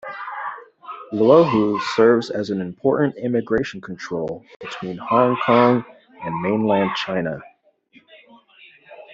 Luohu serves as an important immigration control between Hong Kong and Mainland China.